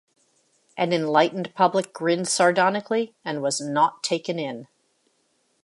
An enlightened public grinned sardonically, and was not taken in.